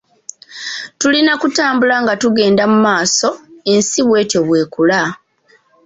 Tulina kutambula nga tugenda mu maaso ensi bw'etyo bw'ekula.